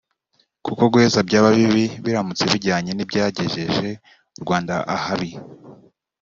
kuko guheza byaba bibi biramutse bijyanye n’ibyagejeje u Rwanda ahabi